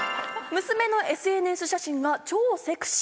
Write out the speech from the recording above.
「娘のＳＮＳ写真が超セクシー！